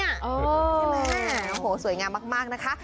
โอ้โฮใช่ไหมโอ้โฮสวยงามมากนะคะ